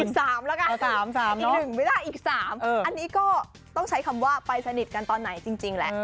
อีกหนึ่งไม่ได้อีก๓อันนี้ก็ต้องใช้คำว่าไปสนิทกันตอนไหนจริงแหละ